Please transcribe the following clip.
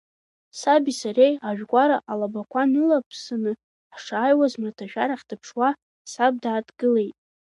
Саби сареи ажәгәара алабақәа нылаԥсаны, ҳшааиуаз, мраҭашәарахь дыԥшуа, саб дааҭгылеит.